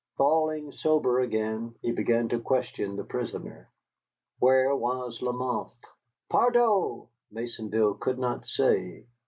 Falling sober again, he began to question the prisoner. Where was Lamothe? Pardieu, Maisonville could not say.